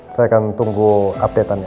saya akan tunggu update anda